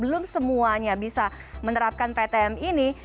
belum semuanya bisa menerapkan ptm ini